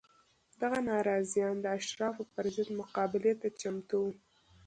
دغه ناراضیان د اشرافو پر ضد مقابلې ته چمتو وو